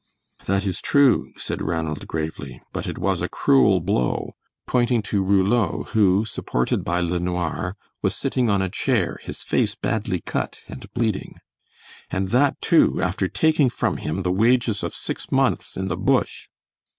"That is true," said Ranald, gravely, "but it was a cruel blow," pointing to Rouleau, who, supported by LeNoir, was sitting on a chair, his face badly cut and bleeding, "and that, too, after taking from him the wages of six months in the bush!"